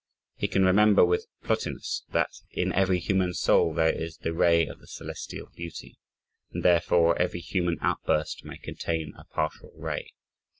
He can remember with Plotinus, "that in every human soul there is the ray of the celestial beauty," and therefore every human outburst may contain a partial ray.